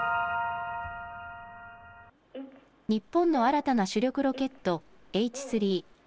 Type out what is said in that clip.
日本の新たな主力ロケット、Ｈ３。